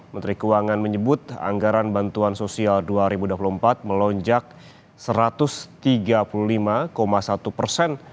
menteri keuangan menyebut anggaran bantuan sosial dua ribu dua puluh empat melonjak satu ratus tiga puluh lima satu persen